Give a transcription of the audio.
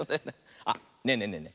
あっねえねえねえねえ。